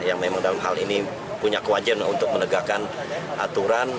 yang memang dalam hal ini punya kewajiban untuk menegakkan aturan